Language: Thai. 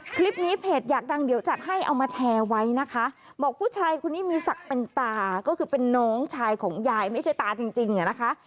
เพจอยากดังเดี๋ยวจัดให้เอามาแชร์ไว้นะคะบอกผู้ชายคนนี้มีศักดิ์เป็นตาก็คือเป็นน้องชายของยายไม่ใช่ตาจริงจริงอ่ะนะคะ